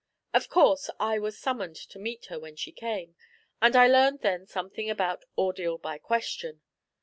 Of course I was summoned to meet her when she came, and I learned then something about 'ordeal by question.'